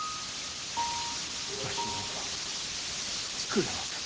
わしには作れません。